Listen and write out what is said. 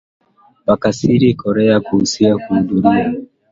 wakiasiri korea kusini kuhudhuria